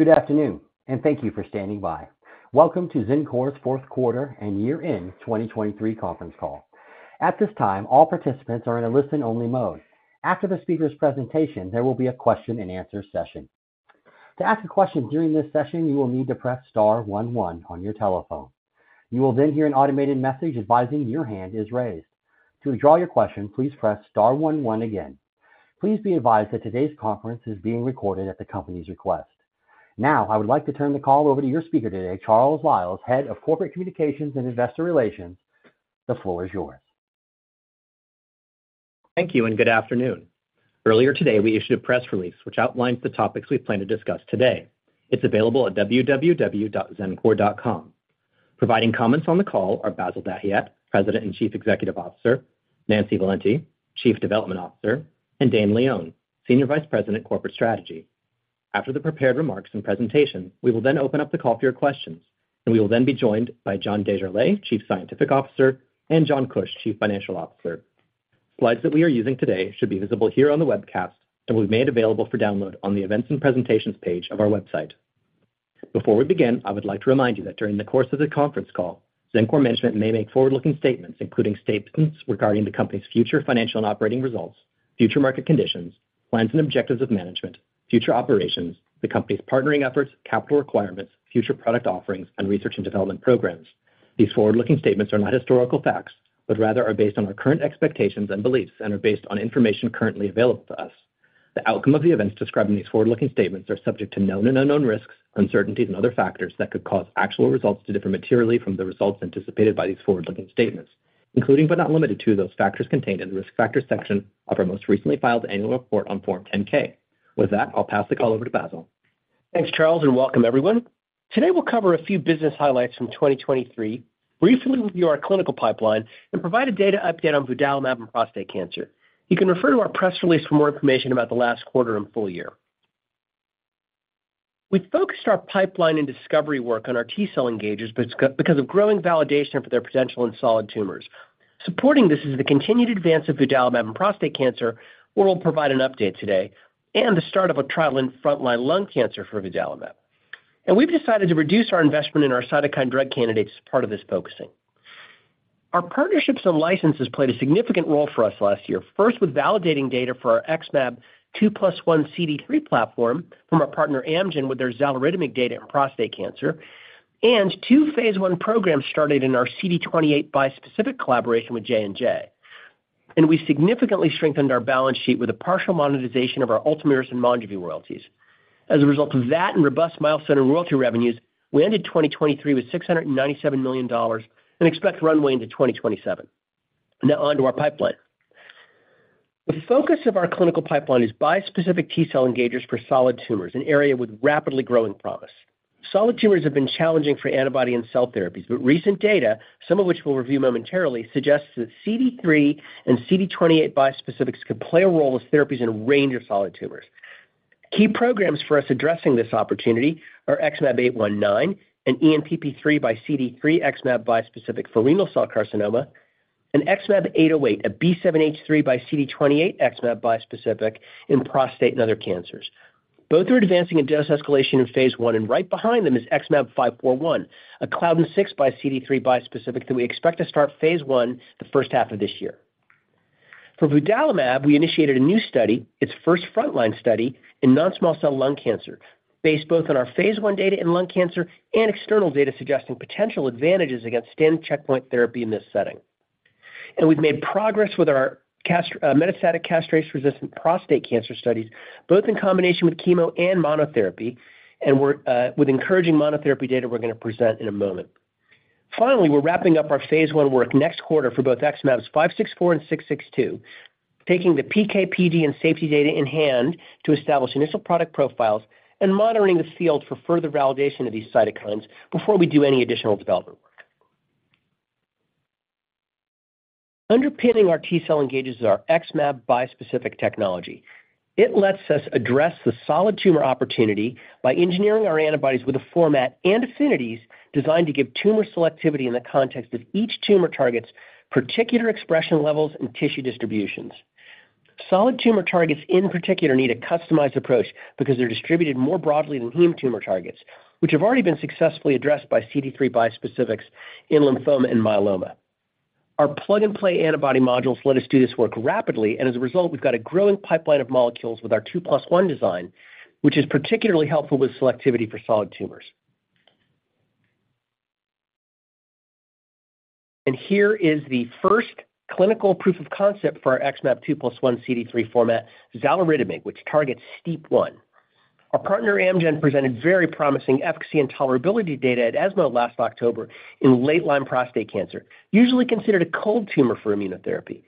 Good afternoon, and thank you for standing by. Welcome to Xencor's fourth quarter and year-end 2023 conference call. At this time, all participants are in a listen-only mode. After the speaker's presentation, there will be a question-and-answer session. To ask a question during this session, you will need to press star one, one on your telephone. You will then hear an automated message advising your hand is raised. To withdraw your question, please press star one one again. Please be advised that today's conference is being recorded at the company's request. Now, I would like to turn the call over to your speaker today, Charles Liles, Head of Corporate Communications and Investor Relations. The floor is yours. Thank you, and good afternoon. Earlier today, we issued a press release which outlines the topics we plan to discuss today. It's available at www.xencor.com. Providing comments on the call are Bassil Dahiyat, President and Chief Executive Officer, Nancy Valente, Chief Development Officer, and Dane Leone, Senior Vice President, Corporate Strategy. After the prepared remarks and presentation, we will then open up the call for your questions, and we will then be joined by John Desjarlais, Chief Scientific Officer, and John Kuch, Chief Financial Officer. Slides that we are using today should be visible here on the webcast, and will be made available for download on the Events and Presentations page of our website. Before we begin, I would like to remind you that during the course of the conference call, Xencor Management may make forward-looking statements including statements regarding the company's future financial and operating results, future market conditions, plans and objectives of management, future operations, the company's partnering efforts, capital requirements, future product offerings, and research and development programs. These forward-looking statements are not historical facts but rather are based on our current expectations and beliefs and are based on information currently available to us. The outcome of the events described in these forward-looking statements are subject to known and unknown risks, uncertainties, and other factors that could cause actual results to differ materially from the results anticipated by these forward-looking statements, including but not limited to those factors contained in the Risk Factors section of our most recently filed annual report on Form 10-K.With that, I'll pass the call over to Bassil. Thanks, Charles, and welcome everyone. Today, we'll cover a few business highlights from 2023, briefly review our clinical pipeline, and provide a data update on vudalimab and prostate cancer. You can refer to our press release for more information about the last quarter and full year. We focused our pipeline and discovery work on our T-cell engagers because of growing validation for their potential in solid tumors. Supporting this is the continued advance of vudalimab and prostate cancer, where we'll provide an update today, and the start of a trial in frontline lung cancer for vudalimab. We've decided to reduce our investment in our cytokine drug candidates as part of this focusing. Our partnerships and licenses played a significant role for us last year, first with validating data for our XmAb 2+1 CD3 platform from our partner Amgen with their xaluritamig data in prostate cancer, and two phase I programs started in our CD28 bispecific collaboration with J&J. We significantly strengthened our balance sheet with a partial monetization of our Ultomiris and Monjuvi royalties. As a result of that and robust milestone and royalty revenues, we ended 2023 with $697 million and expect runway into 2027. Now, on to our pipeline. The focus of our clinical pipeline is bispecific T-cell engagers for solid tumors, an area with rapidly growing promise. Solid tumors have been challenging for antibody and cell therapies, but recent data, some of which we'll review momentarily, suggests that CD3 and CD28 bispecifics could play a role as therapies in a range of solid tumors. Key programs for us addressing this opportunity are XmAb819 and ENPP3 x CD3 XmAb bispecific for renal cell carcinoma, and XmAb808, a B7-H3 x CD28 XmAb bispecific in prostate and other cancers. Both are advancing in dose escalation in phase I, and right behind them is XmAb541, a CLDN6 x CD3 bispecific that we expect to start phase I the first half of this year. For vudalimab, we initiated a new study, its first frontline study, in non-small cell lung cancer, based both on our phase I data in lung cancer and external data suggesting potential advantages against standard checkpoint therapy in this setting. We've made progress with our metastatic castration-resistant prostate cancer studies, both in combination with chemo and monotherapy, and with encouraging monotherapy data we're going to present in a moment. Finally, we're wrapping up our phase I work next quarter for both XmAbs 564 and 662, taking the PK, PD, and safety data in hand to establish initial product profiles and monitoring the field for further validation of these cytokines before we do any additional development work. Underpinning our T-cell engagers is our XmAb bispecific technology. It lets us address the solid tumor opportunity by engineering our antibodies with a format and affinities designed to give tumor selectivity in the context of each tumor target's particular expression levels and tissue distributions. Solid tumor targets in particular need a customized approach because they're distributed more broadly than heme tumor targets, which have already been successfully addressed by CD3 bispecifics in lymphoma and myeloma. Our plug-and-play antibody modules let us do this work rapidly, and as a result, we've got a growing pipeline of molecules with our 2+1 design, which is particularly helpful with selectivity for solid tumors. Here is the first clinical proof of concept for our XmAb 2+1 CD3 format, xaluritamig, which targets STEAP1. Our partner Amgen presented very promising efficacy and tolerability data at ESMO last October in late-line prostate cancer, usually considered a cold tumor for immunotherapy.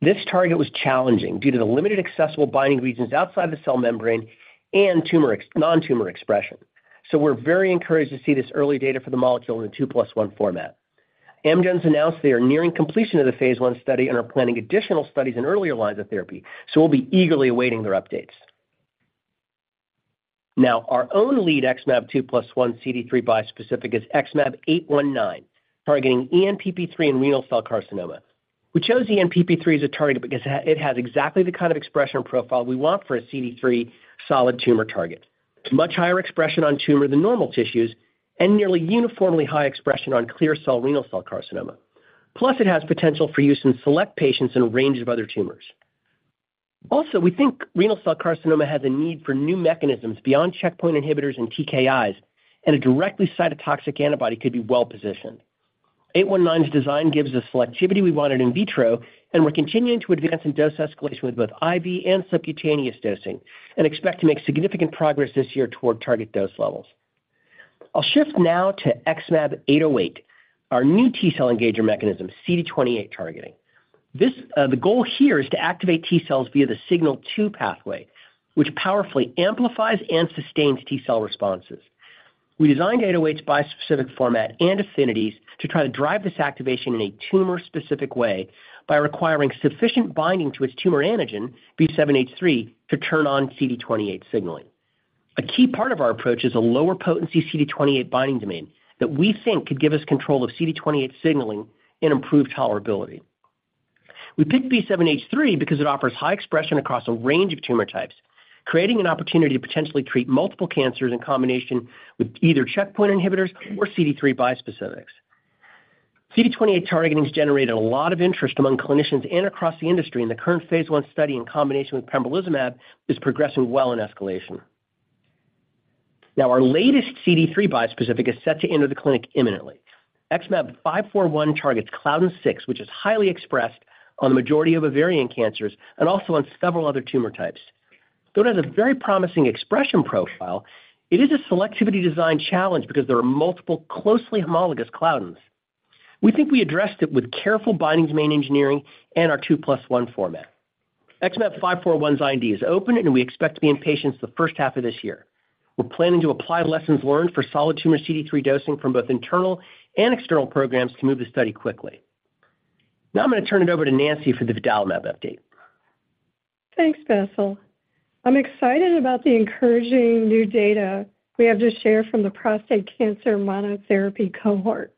This target was challenging due to the limited accessible binding regions outside the cell membrane and non-tumor expression. So we're very encouraged to see this early data for the molecule in the 2+1 format. Amgen's announced they are nearing completion of the phase I study and are planning additional studies in earlier lines of therapy, so we'll be eagerly awaiting their updates. Now, our own lead XmAb 2+1 CD3 bispecific is XmAb819, targeting ENPP3 in renal cell carcinoma. We chose ENPP3 as a target because it has exactly the kind of expression profile we want for a CD3 solid tumor target: much higher expression on tumor than normal tissues and nearly uniformly high expression on clear-cell renal cell carcinoma. Plus, it has potential for use in select patients and a range of other tumors. Also, we think renal cell carcinoma has a need for new mechanisms beyond checkpoint inhibitors and TKIs, and a directly cytotoxic antibody could be well-positioned. 819's design gives the selectivity we wanted in vitro, and we're continuing to advance in dose escalation with both IV and subcutaneous dosing and expect to make significant progress this year toward target dose levels. I'll shift now to XmAb808, our new T-cell engager mechanism, CD28 targeting. The goal here is to activate T-cells via the signal 2 pathway, which powerfully amplifies and sustains T-cell responses. We designed 808's bispecific format and affinities to try to drive this activation in a tumor-specific way by requiring sufficient binding to its tumor antigen, B7-H3, to turn on CD28 signaling. A key part of our approach is a lower-potency CD28 binding domain that we think could give us control of CD28 signaling and improved tolerability. We picked B7-H3 because it offers high expression across a range of tumor types, creating an opportunity to potentially treat multiple cancers in combination with either checkpoint inhibitors or CD3 bispecifics. CD28 targeting has generated a lot of interest among clinicians and across the industry, and the current phase I study in combination with pembrolizumab is progressing well in escalation. Now, our latest CD3 bispecific is set to enter the clinic imminently. XmAb541 targets CLDN6, which is highly expressed on the majority of ovarian cancers and also on several other tumor types. Though it has a very promising expression profile, it is a selectivity-designed challenge because there are multiple closely homologous CLDNs. We think we addressed it with careful binding domain engineering and our 2+1 format. XmAb541's IND is open, and we expect to be in patients the first half of this year. We're planning to apply lessons learned for solid tumor CD3 dosing from both internal and external programs to move the study quickly. Now, I'm going to turn it over to Nancy for the vudalimab update. Thanks, Bassil. I'm excited about the encouraging new data we have to share from the prostate cancer monotherapy cohort.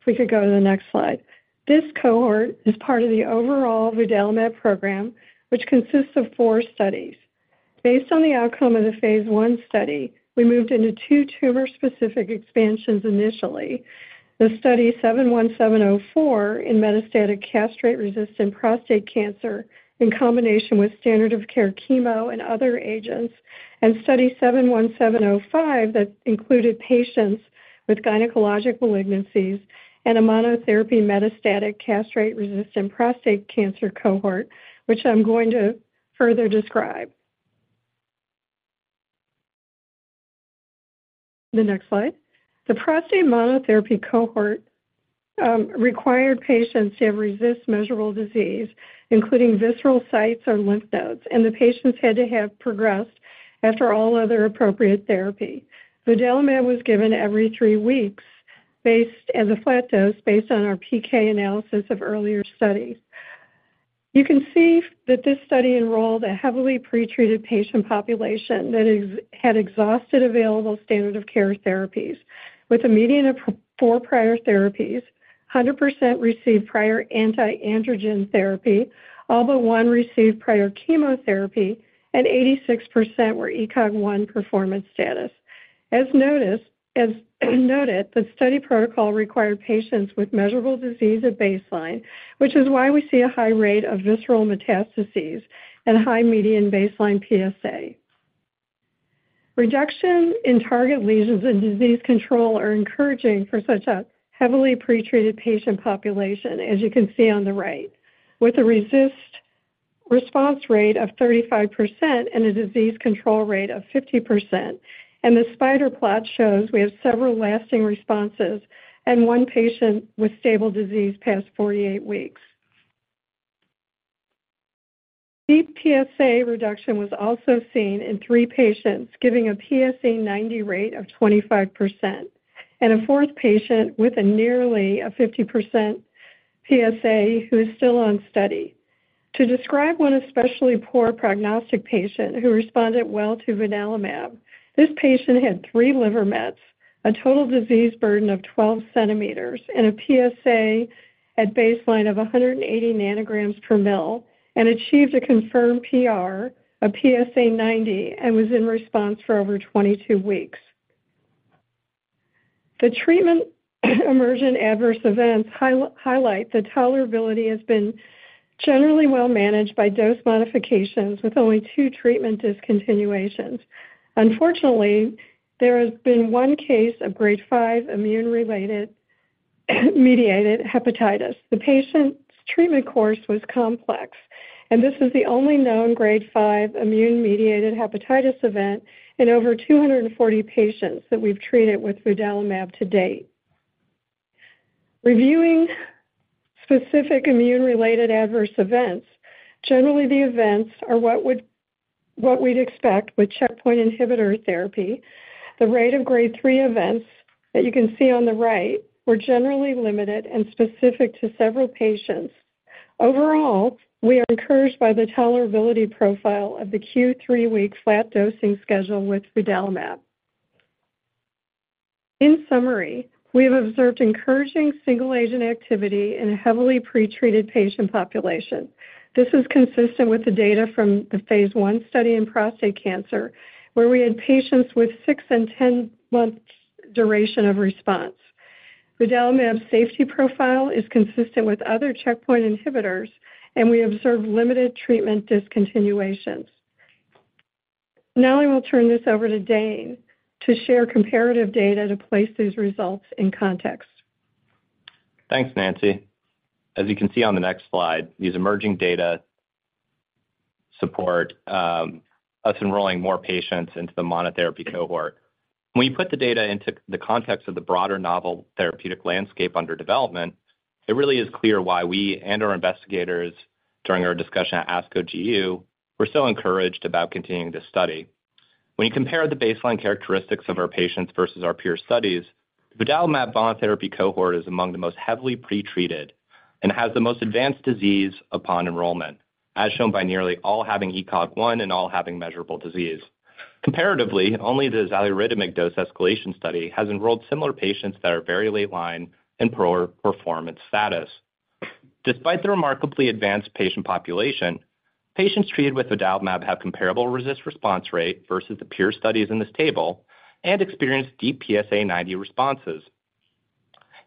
If we could go to the next slide. This cohort is part of the overall vudalimab program, which consists of four studies. Based on the outcome of the phase I study, we moved into two tumor-specific expansions initially: the study 71704 in metastatic castration-resistant prostate cancer in combination with standard-of-care chemo and other agents, and study 71705 that included patients with gynecologic malignancies, and a monotherapy metastatic castration-resistant prostate cancer cohort, which I'm going to further describe. The next slide. The prostate monotherapy cohort required patients to have RECIST measurable disease, including visceral sites or lymph nodes, and the patients had to have progressed after all other appropriate therapy. Vudalimab was given every three weeks as a flat dose based on our PK analysis of earlier studies. You can see that this study enrolled a heavily pretreated patient population that had exhausted available standard-of-care therapies, with a median of 4 prior therapies, 100% received prior anti-androgen therapy, all but 1 received prior chemotherapy, and 86% were ECOG 1 performance status. As noted, the study protocol required patients with measurable disease at baseline, which is why we see a high rate of visceral metastases and high median baseline PSA. Reduction in target lesions and disease control are encouraging for such a heavily pretreated patient population, as you can see on the right, with a RECIST response rate of 35% and a disease control rate of 50%. The SPIDER plot shows we have several lasting responses and one patient with stable disease past 48 weeks. Deep PSA reduction was also seen in three patients, giving a PSA 90 rate of 25% and a fourth patient with nearly a 50% PSA who is still on study. To describe one especially poor prognostic patient who responded well to vudalimab, this patient had three liver mets, a total disease burden of 12 centimeters, and a PSA at baseline of 180 nanograms per mL, and achieved a confirmed PR, a PSA 90, and was in response for over 22 weeks. The treatment emergent adverse events highlight that tolerability has been generally well-managed by dose modifications with only two treatment discontinuations. Unfortunately, there has been one case of grade 5 immune-mediated hepatitis. The patient's treatment course was complex, and this is the only known grade 5 immune-mediated hepatitis event in over 240 patients that we've treated with vudalimab to date. Reviewing specific immune-related adverse events, generally, the events are what we'd expect with checkpoint inhibitor therapy. The rate of grade 3 events that you can see on the right were generally limited and specific to several patients. Overall, we are encouraged by the tolerability profile of the Q3W flat dosing schedule with vudalimab. In summary, we have observed encouraging single-agent activity in a heavily pretreated patient population. This is consistent with the data from the phase I study in prostate cancer, where we had patients with 6- and 10-month duration of response. Vudalimab's safety profile is consistent with other checkpoint inhibitors, and we observed limited treatment discontinuations. Now, I will turn this over to Dane to share comparative data to place these results in context. Thanks, Nancy. As you can see on the next slide, these emerging data support us enrolling more patients into the monotherapy cohort. When you put the data into the context of the broader novel therapeutic landscape under development, it really is clear why we and our investigators during our discussion at ASCO-GU were so encouraged about continuing this study. When you compare the baseline characteristics of our patients versus our peer studies, the vudalimab monotherapy cohort is among the most heavily pretreated and has the most advanced disease upon enrollment, as shown by nearly all having ECOG 1 and all having measurable disease. Comparatively, only the xaluritamig dose escalation study has enrolled similar patients that are very late-line and poor performance status. Despite the remarkably advanced patient population, patients treated with vudalimab have comparable RECIST response rate versus the peer studies in this table and experienced deep PSA 90 responses.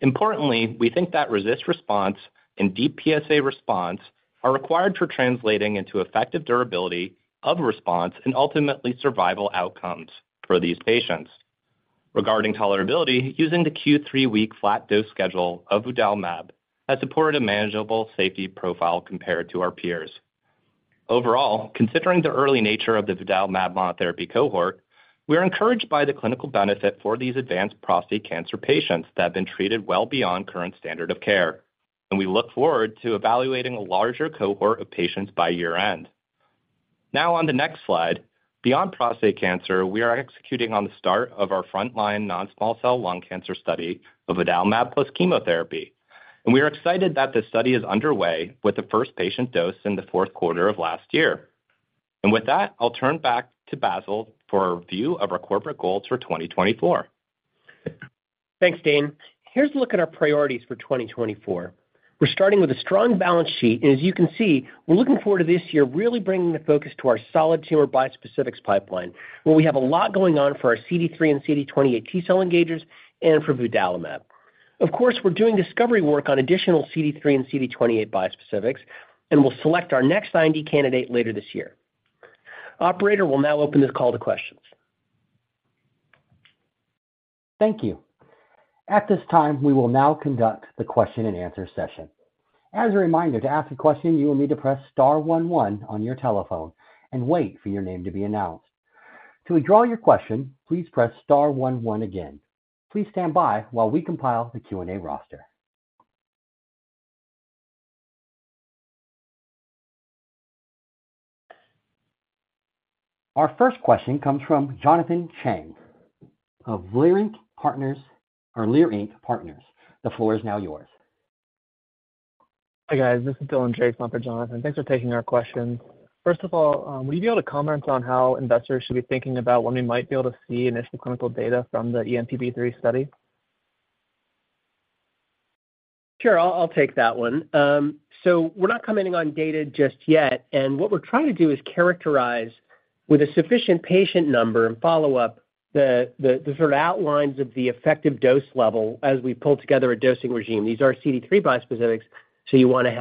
Importantly, we think that robust response and deep PSA response are required for translating into effective durability of response and ultimately survival outcomes for these patients. Regarding tolerability, using the Q3W flat dose schedule of vudalimab has supported a manageable safety profile compared to our peers. Overall, considering the early nature of the vudalimab monotherapy cohort, we are encouraged by the clinical benefit for these advanced prostate cancer patients that have been treated well beyond current standard of care, and we look forward to evaluating a larger cohort of patients by year-end. Now, on the next slide, beyond prostate cancer, we are executing on the start of our frontline non-small cell lung cancer study of vudalimab plus chemotherapy, and we are excited that this study is underway with the first patient dose in the fourth quarter of last year. With that, I'll turn back to Bassil for a view of our corporate goals for 2024. Thanks, Dane. Here's a look at our priorities for 2024. We're starting with a strong balance sheet, and as you can see, we're looking forward to this year really bringing the focus to our solid tumor bispecifics pipeline, where we have a lot going on for our CD3 and CD28 T-cell engagers and for vudalimab. Of course, we're doing discovery work on additional CD3 and CD28 bispecifics, and we'll select our next IND candidate later this year. Operator will now open this call to questions. Thank you. At this time, we will now conduct the question-and-answer session. As a reminder, to ask a question, you will need to press star one, one on your telephone and wait for your name to be announced. To withdraw your question, please press star one one again. Please stand by while we compile the Q&A roster. Our first question comes from Jonathan Chang of Leerink Partners. The floor is now yours. Hi guys. This is Dylan Drakes for Jonathan. Thanks for taking our questions. First of all, would you be able to comment on how investors should be thinking about when we might be able to see initial clinical data from the ENPP3 study? Sure. I'll take that one. So we're not commenting on data just yet, and what we're trying to do is characterize, with a sufficient patient number and follow-up, the sort of outlines of the effective dose level as we pull together a dosing regimen. These are CD3 bispecifics, so you want to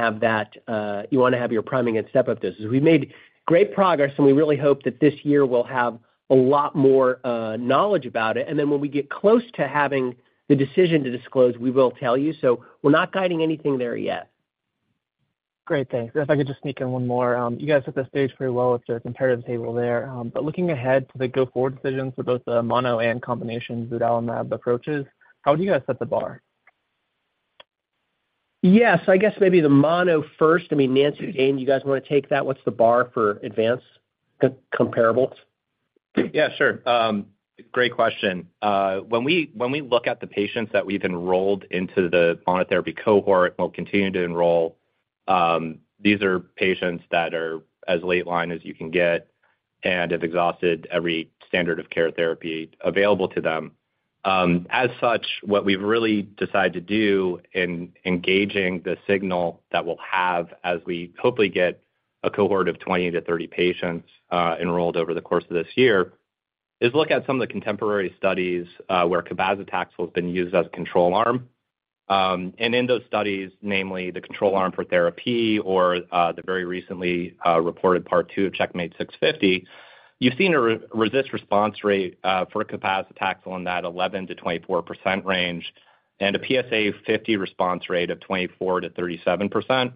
have your priming and step-up doses. We've made great progress, and we really hope that this year we'll have a lot more knowledge about it. And then when we get close to having the decision to disclose, we will tell you. So we're not guiding anything there yet. Great. Thanks. If I could just sneak in one more. You guys set the stage pretty well with the comparative table there. Looking ahead to the go-forward decisions for both the mono and combination vudalimab approaches, how would you guys set the bar? Yeah. So I guess maybe the mono first. I mean, Nancy or Dane, you guys want to take that? What's the bar for advanced comparables? Yeah. Sure. Great question. When we look at the patients that we've enrolled into the monotherapy cohort and will continue to enroll, these are patients that are as late-line as you can get and have exhausted every standard-of-care therapy available to them. As such, what we've really decided to do in engaging the signal that we'll have as we hopefully get a cohort of 20-30 patients enrolled over the course of this year is look at some of the contemporary studies where cabazitaxel has been used as a control arm. And in those studies, namely the control arm for therapy or the very recently reported part two of CheckMate 650, you've seen a RECIST response rate for cabazitaxel in that 11%-24% range and a PSA 50 response rate of 24%-37%.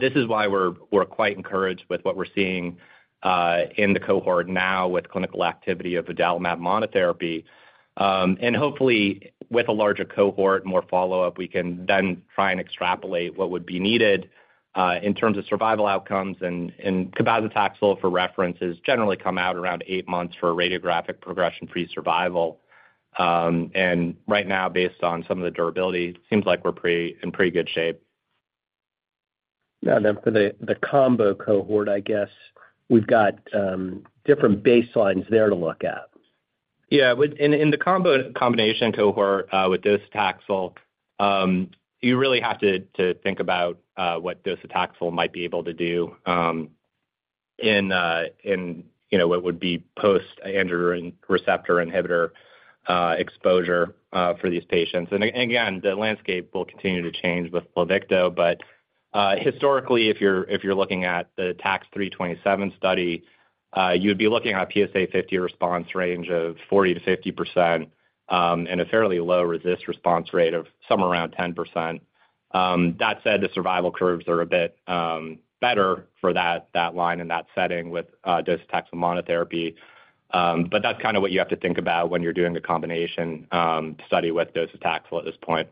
This is why we're quite encouraged with what we're seeing in the cohort now with clinical activity of vudalimab monotherapy. Hopefully, with a larger cohort, more follow-up, we can then try and extrapolate what would be needed in terms of survival outcomes. Cabazitaxel, for reference, has generally come out around eight months for a radiographic progression-free survival. Right now, based on some of the durability, it seems like we're in pretty good shape. Now, then for the combo cohort, I guess we've got different baselines there to look at. Yeah. In the combination cohort with docetaxel, you really have to think about what docetaxel might be able to do in what would be post-androgen receptor inhibitor exposure for these patients. Again, the landscape will continue to change with Pluvicto. Historically, if you're looking at the TAX327 study, you would be looking at a PSA 50 response range of 40%-50% and a fairly low RECIST response rate of somewhere around 10%. That said, the survival curves are a bit better for that line in that setting with docetaxel monotherapy. That's kind of what you have to think about when you're doing a combination study with docetaxel at this point.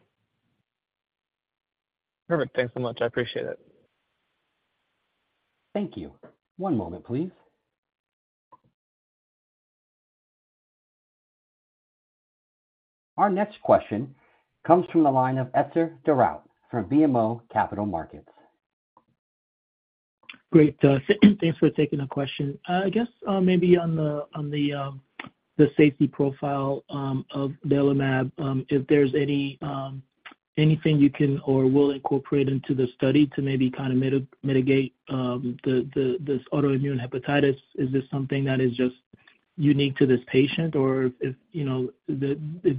Perfect. Thanks so much. I appreciate it. Thank you. One moment, please. Our next question comes from the line of Etzer Darout from BMO Capital Markets. Great. Thanks for taking the question. I guess maybe on the safety profile of vudalimab, if there's anything you can or will incorporate into the study to maybe kind of mitigate this autoimmune hepatitis, is this something that is just unique to this patient, or if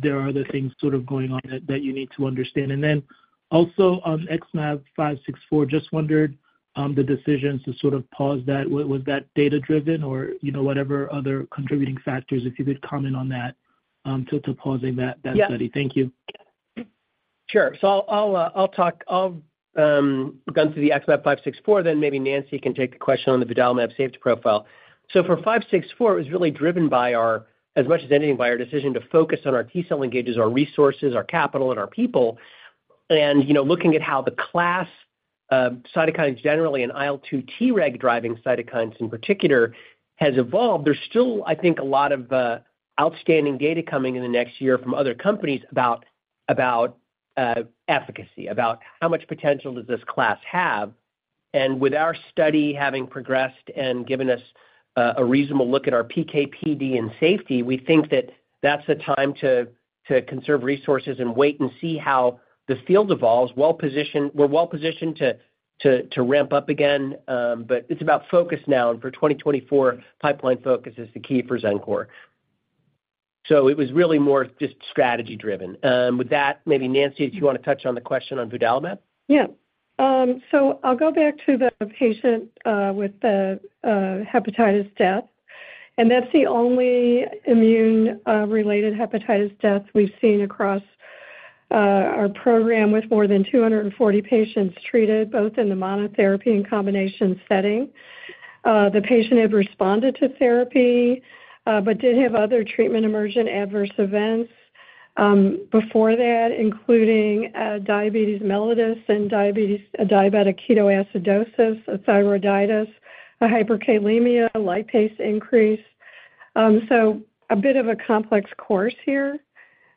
there are other things sort of going on that you need to understand? And then also on XmAb564, just wondered the decisions to sort of pause that, was that data-driven or whatever other contributing factors, if you could comment on that to pausing that study. Thank you. Sure. So I'll go into the XmAb564, then maybe Nancy can take the question on the vudalimab safety profile. So for 564, it was really driven by our, as much as anything, by our decision to focus on our T-cell engagers, our resources, our capital, and our people. And looking at how the class cytokines generally and IL-2 Treg-driving cytokines in particular has evolved, there's still, I think, a lot of outstanding data coming in the next year from other companies about efficacy, about how much potential does this class have. And with our study having progressed and given us a reasonable look at our PK/PD and safety, we think that that's the time to conserve resources and wait and see how the field evolves. We're well positioned to ramp up again, but it's about focus now. And for 2024, pipeline focus is the key for Xencor. It was really more just strategy-driven. With that, maybe Nancy, if you want to touch on the question on vudalimab. Yeah. I'll go back to the patient with the hepatitis death. That's the only immune-related hepatitis death we've seen across our program with more than 240 patients treated both in the monotherapy and combination setting. The patient had responded to therapy but did have other treatment emergent adverse events before that, including diabetes mellitus and diabetic ketoacidosis, thyroiditis, hyperkalemia, lipase increase. A bit of a complex course here.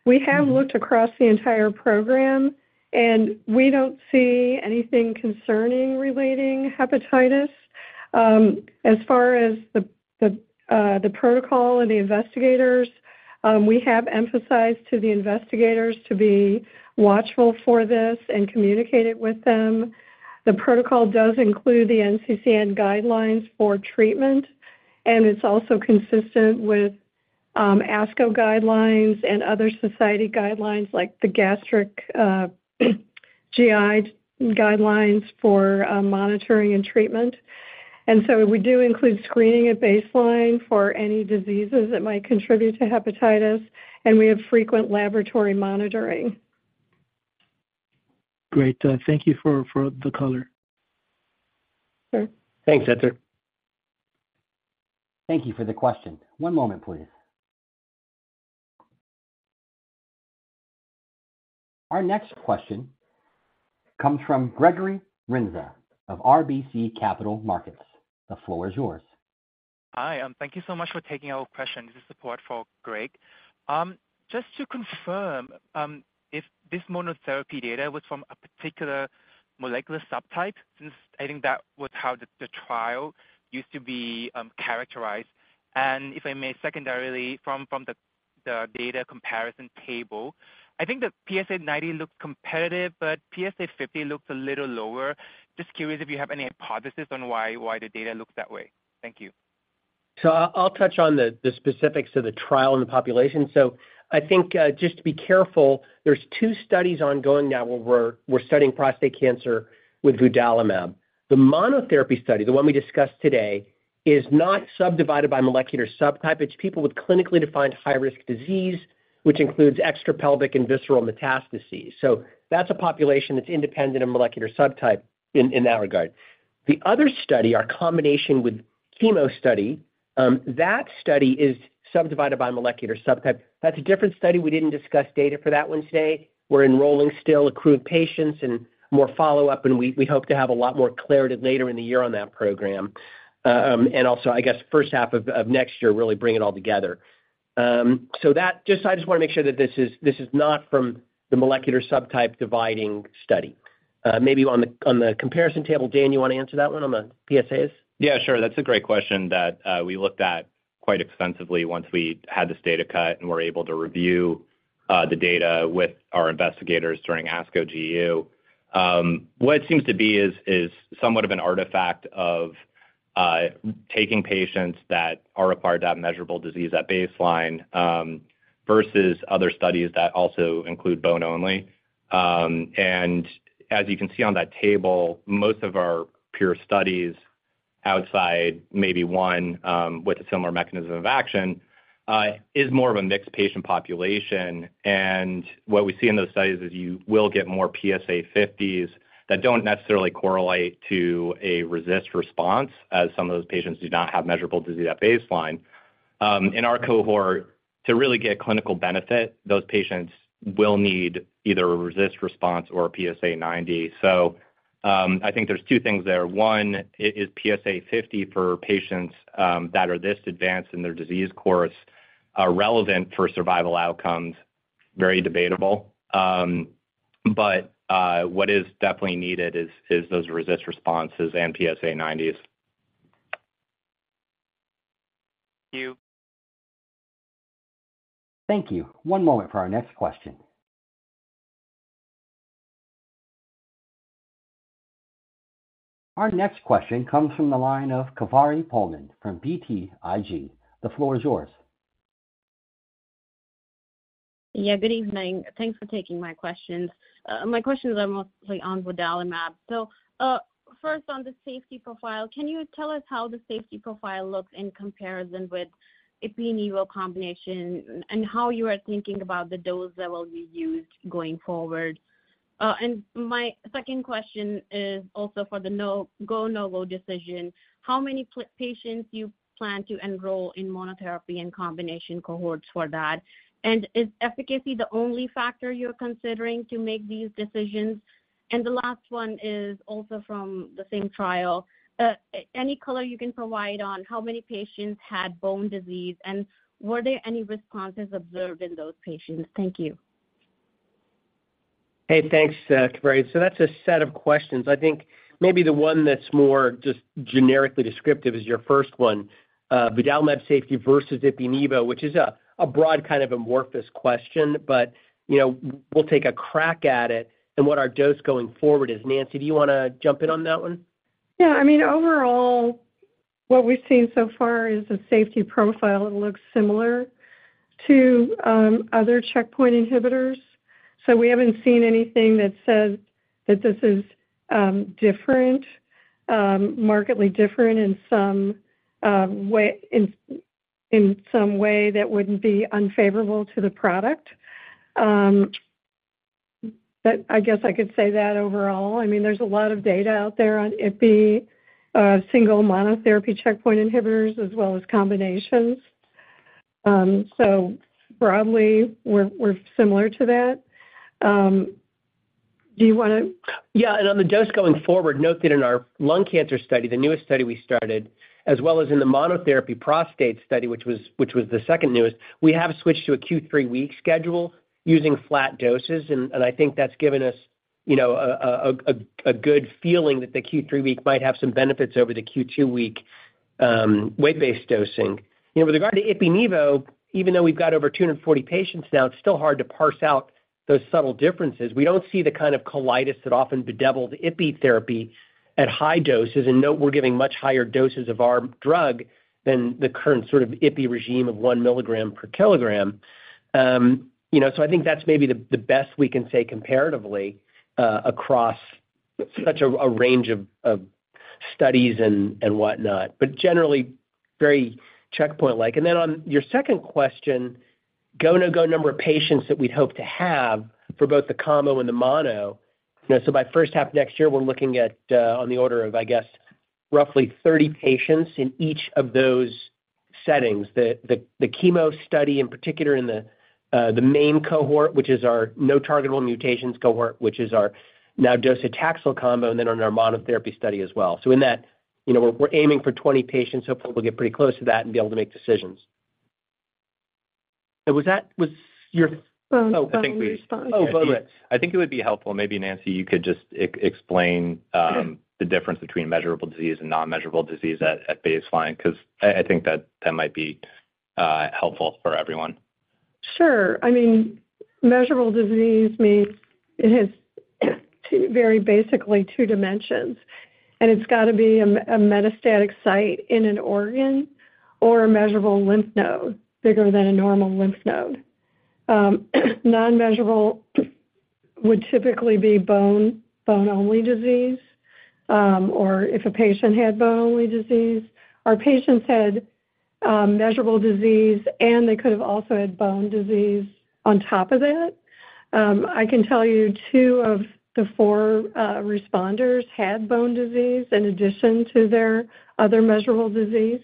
We have looked across the entire program, and we don't see anything concerning relating hepatitis. As far as the protocol and the investigators, we have emphasized to the investigators to be watchful for this and communicate it with them. The protocol does include the NCCN guidelines for treatment, and it's also consistent with ASCO guidelines and other society guidelines like the gastric GI guidelines for monitoring and treatment. We do include screening at baseline for any diseases that might contribute to hepatitis, and we have frequent laboratory monitoring. Great. Thank you for the color. Sure. Thanks, Etzer. Thank you for the question. One moment, please. Our next question comes from Gregory Renza of RBC Capital Markets. The floor is yours. Hi. Thank you so much for taking our questions and support for Greg. Just to confirm, if this monotherapy data was from a particular molecular subtype, since I think that was how the trial used to be characterized? If I may, secondarily, from the data comparison table, I think that PSA 90 looked competitive, but PSA 50 looked a little lower. Just curious if you have any hypotheses on why the data looked that way? Thank you. So I'll touch on the specifics of the trial and the population. So I think just to be careful, there's two studies ongoing now where we're studying prostate cancer with vudalimab. The monotherapy study, the one we discussed today, is not subdivided by molecular subtype. It's people with clinically defined high-risk disease, which includes extrapelvic and visceral metastases. So that's a population that's independent of molecular subtype in that regard. The other study, our combination with chemo study, that study is subdivided by molecular subtype. That's a different study. We didn't discuss data for that one today. We're enrolling still accrued patients and more follow-up, and we hope to have a lot more clarity later in the year on that program. And also, I guess, first half of next year really bring it all together. I just want to make sure that this is not from the molecular subtype dividing study. Maybe on the comparison table, Dane, you want to answer that one on the PSAs? Yeah. Sure. That's a great question that we looked at quite extensively once we had this data cut and were able to review the data with our investigators during ASCO-GU. What it seems to be is somewhat of an artifact of taking patients that are required to have measurable disease at baseline versus other studies that also include bone-only. And as you can see on that table, most of our peer studies outside, maybe one with a similar mechanism of action, is more of a mixed patient population. And what we see in those studies is you will get more PSA 50s that don't necessarily correlate to a RECIST response as some of those patients do not have measurable disease at baseline. In our cohort, to really get clinical benefit, those patients will need either a RECIST response or a PSA 90. So I think there's two things there. One, is PSA50 for patients that are this advanced in their disease course relevant for survival outcomes? Very debatable. But what is definitely needed is those RECIST responses and PSA90s. Thank you. Thank you. One moment for our next question. Our next question comes from the line of Kaveri Pohlman from BTIG. The floor is yours. Yeah. Good evening. Thanks for taking my questions. My questions are mostly on vudalimab. First, on the safety profile, can you tell us how the safety profile looks in comparison with ipi/nivo combination and how you are thinking about the dose that will be used going forward? My second question is also for the go-no-go decision, how many patients you plan to enroll in monotherapy and combination cohorts for that? And is efficacy the only factor you're considering to make these decisions? The last one is also from the same trial. Any color you can provide on how many patients had bone disease, and were there any responses observed in those patients? Thank you. Hey. Thanks, Kavari. So that's a set of questions. I think maybe the one that's more just generically descriptive is your first one, vudalimab safety versus Opdivo, which is a broad kind of amorphous question, but we'll take a crack at it and what our dose going forward is. Nancy, do you want to jump in on that one? Yeah. I mean, overall, what we've seen so far is a safety profile. It looks similar to other checkpoint inhibitors. So we haven't seen anything that says that this is different, markedly different in some way that wouldn't be unfavorable to the product. But I guess I could say that overall. I mean, there's a lot of data out there on PD-1 single monotherapy checkpoint inhibitors, as well as combinations. So broadly, we're similar to that. Do you want to? Yeah. And on the dose going forward, note that in our lung cancer study, the newest study we started, as well as in the monotherapy prostate study, which was the second newest, we have switched to a Q3 week schedule using flat doses. And I think that's given us a good feeling that the Q3 week might have some benefits over the Q2 week weight-based dosing. With regard to ipi-nivo, even though we've got over 240 patients now, it's still hard to parse out those subtle differences. We don't see the kind of colitis that often bedevils ipi therapy at high doses. And note, we're giving much higher doses of our drug than the current sort of ipi regimen of 1 milligram per kilogram. So I think that's maybe the best we can say comparatively across such a range of studies and whatnot. But generally, very checkpoint-like. And then on your second question, go-no-go number of patients that we'd hope to have for both the combo and the mono. So by first half of next year, we're looking at on the order of, I guess, roughly 30 patients in each of those settings, the chemo study in particular in the main cohort, which is our non-targetable mutations cohort, which is our non-docetaxel combo, and then on our monotherapy study as well. So in that, we're aiming for 20 patients. Hopefully, we'll get pretty close to that and be able to make decisions. And was that your? Oh, I think we've. I think it would be helpful. Maybe, Nancy, you could just explain the difference between measurable disease and non-measurable disease at baseline because I think that might be helpful for everyone. Sure. I mean, measurable disease means it has very basically two dimensions. And it's got to be a metastatic site in an organ or a measurable lymph node bigger than a normal lymph node. Non-measurable would typically be bone-only disease or if a patient had bone-only disease. Our patients had measurable disease, and they could have also had bone disease on top of that. I can tell you 2 of the 4 responders had bone disease in addition to their other measurable disease.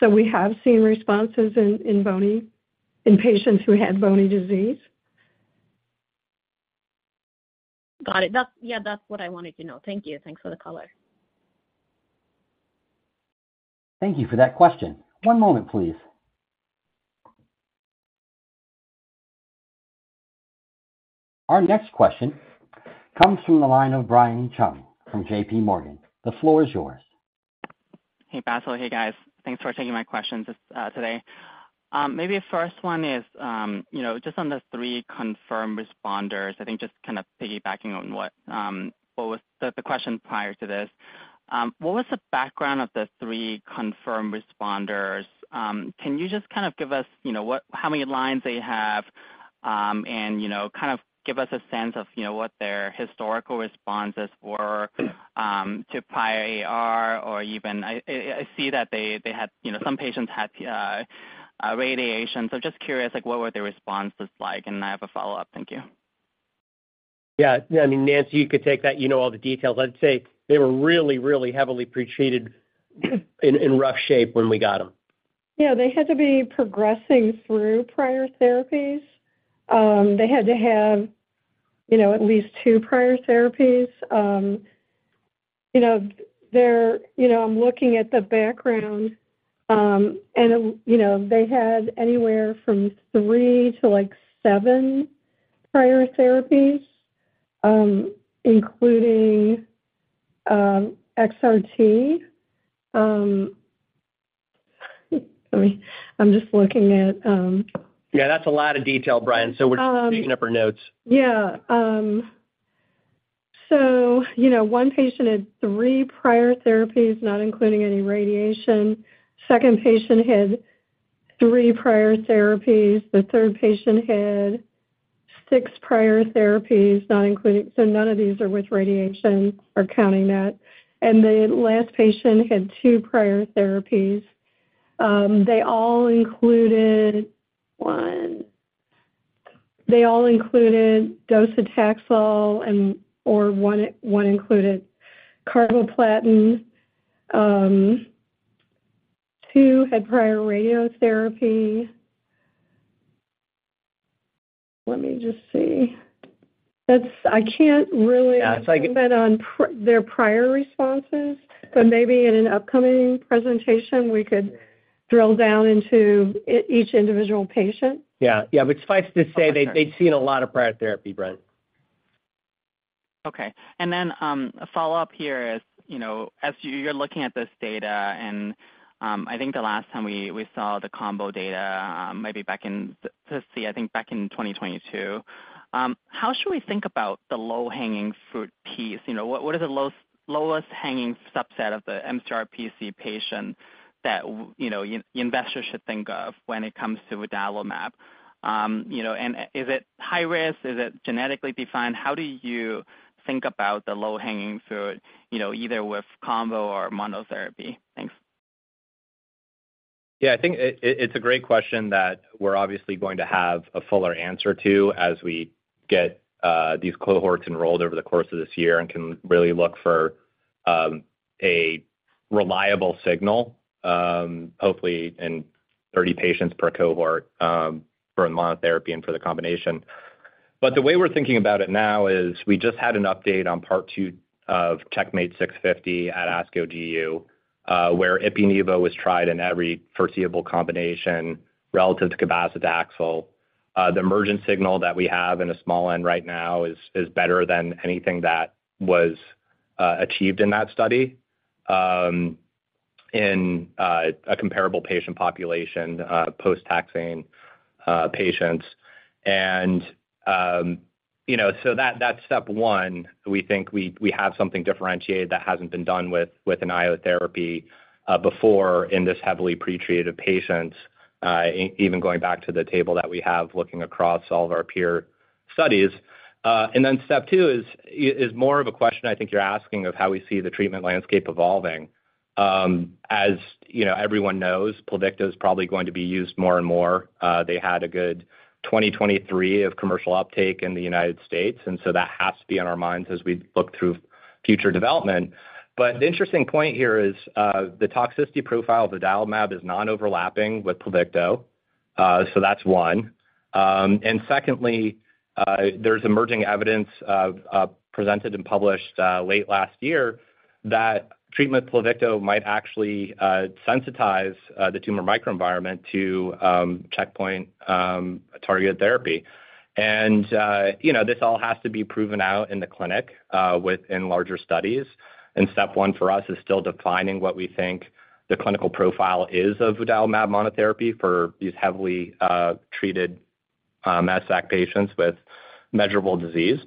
So we have seen responses in patients who had bony disease. Got it. Yeah. That's what I wanted to know. Thank you. Thanks for the color. Thank you for that question. One moment, please. Our next question comes from the line of Brian Cheng from JPMorgan. The floor is yours. Hey, Bassil. Hey, guys. Thanks for taking my questions today. Maybe the first one is just on the three confirmed responders. I think just kind of piggybacking on what was the question prior to this. What was the background of the three confirmed responders? Can you just kind of give us how many lines they have and kind of give us a sense of what their historical responses were to prior AR or even I see that they had some patients had radiation. So just curious, what were their responses like? And I have a follow-up. Thank you. Yeah. I mean, Nancy, you could take that. You know all the details. I'd say they were really, really heavily pretreated in rough shape when we got them. Yeah. They had to be progressing through prior therapies. They had to have at least two prior therapies. I'm looking at the background, and they had anywhere from three to seven prior therapies, including XRT. I mean, I'm just looking at. Yeah. That's a lot of detail, Brian. So we're just taking up our notes. Yeah. So 1 patient had three prior therapies, not including any radiation. Second patient had three prior therapies. The third patient had six prior therapies, not including, so none of these are with radiation. We're counting that. The last patient had two prior therapies. They all included one. They all included docetaxel or one included carboplatin. Two had prior radiotherapy. Let me just see. I can't really comment on their prior responses, but maybe in an upcoming presentation, we could drill down into each individual patient. Yeah. Yeah. But suffice to say they'd seen a lot of prior therapy, Brent. Okay. And then a follow-up here is, as you're looking at this data, and I think the last time we saw the combo data, maybe back in ASCO, I think back in 2022, how should we think about the low-hanging fruit piece? What is the lowest hanging subset of the mCRPC patient that investors should think of when it comes to vudalimab? And is it high-risk? Is it genetically defined? How do you think about the low-hanging fruit, either with combo or monotherapy? Thanks. Yeah. I think it's a great question that we're obviously going to have a fuller answer to as we get these cohorts enrolled over the course of this year and can really look for a reliable signal, hopefully, in 30 patients per cohort for monotherapy and for the combination. But the way we're thinking about it now is we just had an update on part two of CheckMate 650 at ASCO-GU where ipi/nivo was tried in every foreseeable combination relative to cabazitaxel. The emergent signal that we have in a small n right now is better than anything that was achieved in that study in a comparable patient population, post-taxane patients. And so that's step one. We think we have something differentiated that hasn't been done with an immunotherapy before in this heavily pretreated patients, even going back to the table that we have looking across all of our peer studies. Then step two is more of a question I think you're asking of how we see the treatment landscape evolving. As everyone knows, Pluvicto is probably going to be used more and more. They had a good 2023 of commercial uptake in the United States. So that has to be on our minds as we look through future development. But the interesting point here is the toxicity profile of vudalimab is non-overlapping with Pluvicto. So that's one. And secondly, there's emerging evidence presented and published late last year that treating with Pluvicto might actually sensitize the tumor microenvironment to checkpoint-targeted therapy. This all has to be proven out in the clinic in larger studies. Step one for us is still defining what we think the clinical profile is of vudalimab monotherapy for these heavily treated mCRPC patients with measurable disease.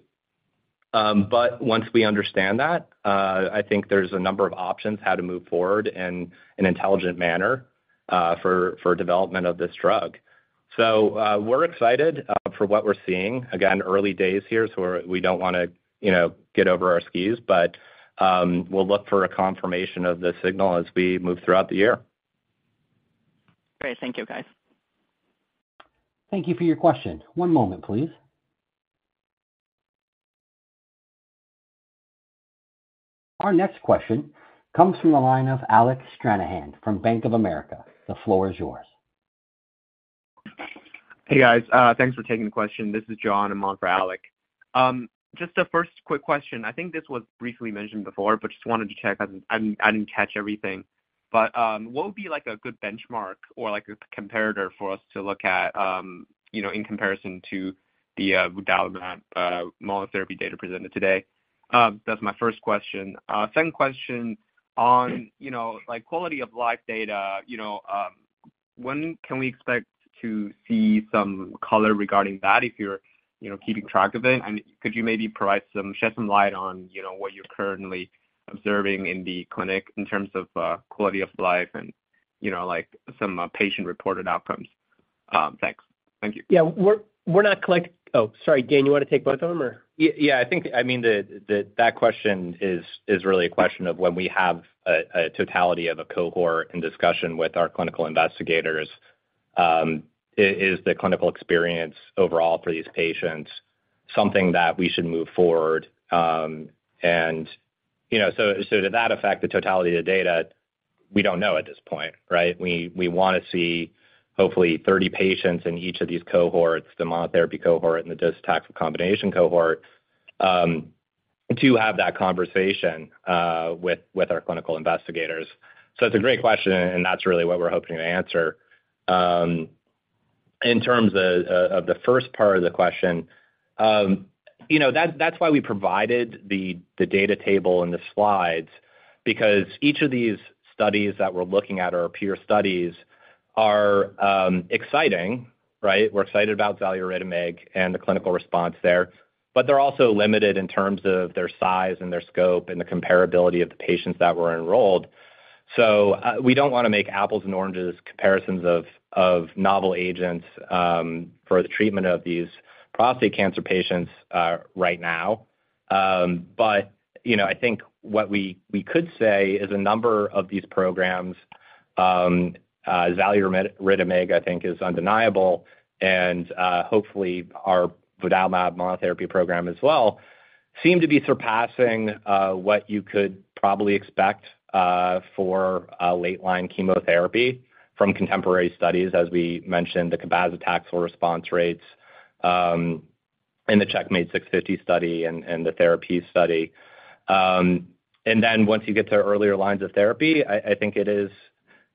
Once we understand that, I think there's a number of options how to move forward in an intelligent manner for development of this drug. We're excited for what we're seeing. Again, early days here, so we don't want to get over our skis, but we'll look for a confirmation of the signal as we move throughout the year. Great. Thank you, guys. Thank you for your question. One moment, please. Our next question comes from the line of Alec Stranahan from Bank of America. The floor is yours. Hey, guys. Thanks for taking the question. This is John, I'm on for Alec. Just a first quick question. I think this was briefly mentioned before, but just wanted to check. I didn't catch everything. But what would be a good benchmark or a comparator for us to look at in comparison to the vudalimab monotherapy data presented today? That's my first question. Second question, on quality of life data, when can we expect to see some color regarding that if you're keeping track of it? And could you maybe shed some light on what you're currently observing in the clinic in terms of quality of life and some patient-reported outcomes? Thanks. Thank you. Yeah. We're not collecting. Oh, sorry. Dane, you want to take both of them, or? Yeah. I mean, that question is really a question of when we have a totality of a cohort in discussion with our clinical investigators, is the clinical experience overall for these patients something that we should move forward? And so to that effect, the totality of the data, we don't know at this point, right? We want to see, hopefully, 30 patients in each of these cohorts, the monotherapy cohort and the docetaxel combination cohort, to have that conversation with our clinical investigators. So that's a great question, and that's really what we're hoping to answer. In terms of the first part of the question, that's why we provided the data table and the slides because each of these studies that we're looking at are peer studies, are exciting, right? We're excited about xaluritamig and the clinical response there. But they're also limited in terms of their size and their scope and the comparability of the patients that were enrolled. So we don't want to make apples and oranges comparisons of novel agents for the treatment of these prostate cancer patients right now. But I think what we could say is a number of these programs, xaluritamig, I think, is undeniable. And hopefully, our vudalimab monotherapy program as well seemed to be surpassing what you could probably expect for late-line chemotherapy from contemporary studies, as we mentioned, the cabazitaxel response rates in the CheckMate 650 study and the TheraP study, and then once you get to earlier lines of therapy, I think it is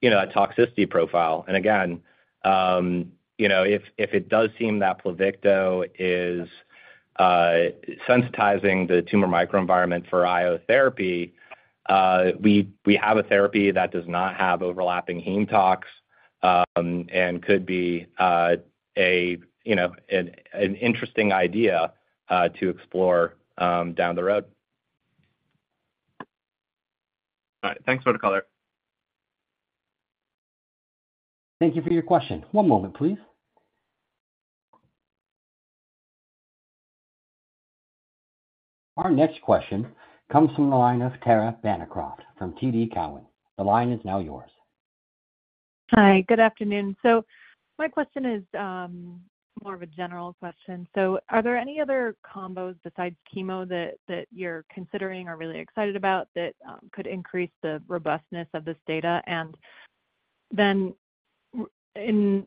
that toxicity profile. And again, if it does seem that Pluvicto is sensitizing the tumor microenvironment for immunotherapy, we have a therapy that does not have overlapping heme tox and could be an interesting idea to explore down the road. All right. Thanks for the color. Thank you for your question. One moment, please. Our next question comes from the line of Tara Bancroft from TD Cowen. The line is now yours. Hi. Good afternoon. So my question is more of a general question. So are there any other combos besides chemo that you're considering or really excited about that could increase the robustness of this data? And then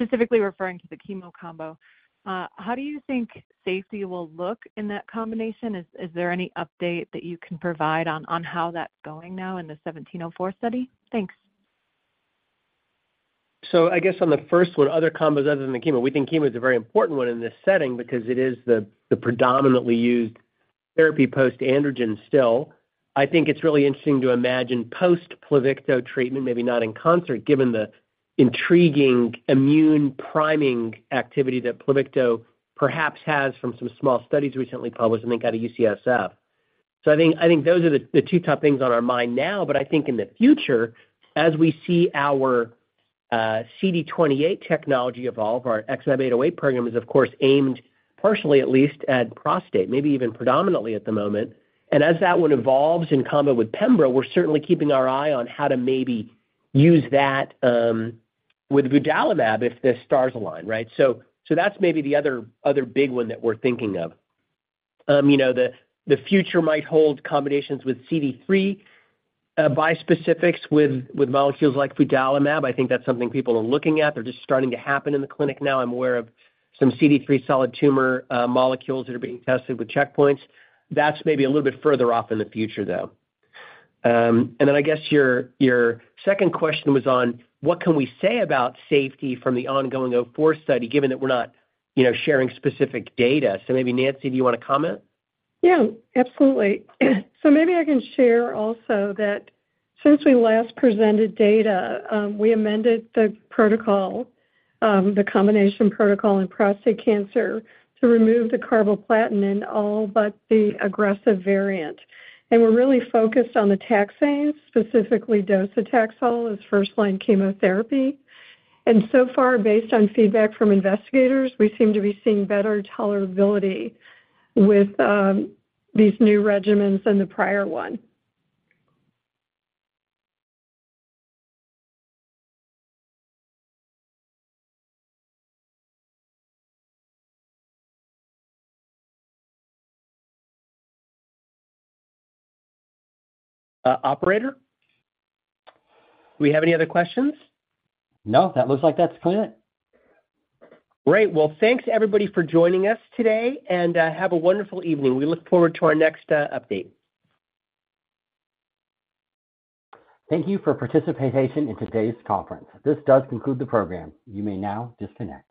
specifically referring to the chemo combo, how do you think safety will look in that combination? Is there any update that you can provide on how that's going now in the 1704 study? Thanks. So I guess on the first one, other combos other than the chemo, we think chemo is a very important one in this setting because it is the predominantly used therapy post-androgen still. I think it's really interesting to imagine post-Pluvicto treatment, maybe not in concert, given the intriguing immune priming activity that Pluvicto perhaps has from some small studies recently published, I think, out of UCSF. So I think those are the two top things on our mind now. But I think in the future, as we see our CD28 technology evolve, our XmAb808 program is, of course, aimed partially, at least, at prostate, maybe even predominantly at the moment. And as that one evolves in combo with pembrolizumab, we're certainly keeping our eye on how to maybe use that with vudalimab if the stars align, right? So that's maybe the other big one that we're thinking of. The future might hold combinations with CD3 bispecifics with molecules like vudalimab. I think that's something people are looking at. They're just starting to happen in the clinic now. I'm aware of some CD3 solid tumor molecules that are being tested with checkpoints. That's maybe a little bit further off in the future, though. And then I guess your second question was on what can we say about safety from the ongoing 04 study, given that we're not sharing specific data? So maybe, Nancy, do you want to comment? Yeah. Absolutely. So maybe I can share also that since we last presented data, we amended the protocol, the combination protocol in prostate cancer, to remove the carboplatin in all but the aggressive variant. And we're really focused on the taxanes, specifically docetaxel as first-line chemotherapy. And so far, based on feedback from investigators, we seem to be seeing better tolerability with these new regimens than the prior one. Operator? Do we have any other questions? No. That looks like that's clear. Great. Well, thanks, everybody, for joining us today. Have a wonderful evening. We look forward to our next update. Thank you for participating in today's conference. This does conclude the program. You may now disconnect.